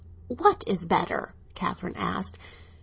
"What is better?" Catherine asked.